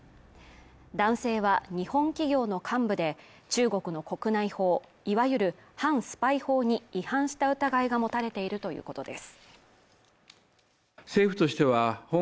男性は日本企業の幹部で、中国の国内法、いわゆる反スパイ法に違反した疑いが持たれているということです。